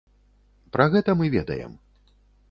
Пра гэта мы ведаем.